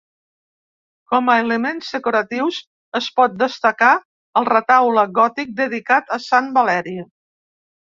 Com a elements decoratius es pot destacar el retaule gòtic dedicat a Sant Valeri.